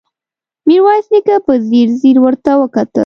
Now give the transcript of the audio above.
ميرويس نيکه په ځير ځير ورته وکتل.